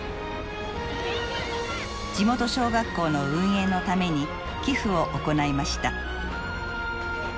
地元小学校の運営のために寄付を行いました。